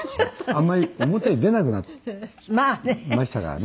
あんまり表に出なくなりましたからね。